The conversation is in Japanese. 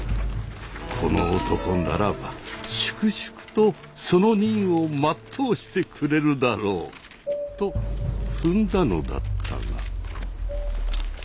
この男ならば粛々とその任を全うしてくれるだろうと踏んだのだったが。